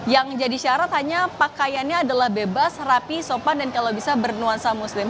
yang jadi syarat hanya pakaiannya adalah bebas rapi sopan dan kalau bisa bernuansa muslim